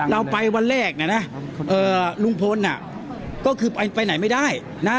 เราไปวันแรกนะนะลุงพลก็คือไปไหนไม่ได้นะ